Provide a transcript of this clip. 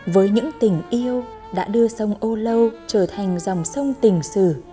với những tình yêu đã đưa sông âu lâu trở thành dòng sông tình sử